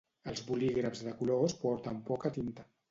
Els boligrafs de colors porten poca tinta